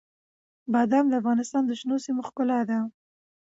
بادام د افغانستان د شنو سیمو ښکلا ده.